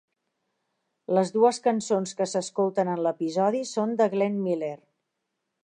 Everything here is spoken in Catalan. Les dues cançons que s'escolten en l'episodi són de Glenn Miller.